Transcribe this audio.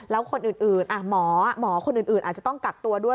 แล้วหมอคนอื่นอาจจะต้องกักตัวด้วย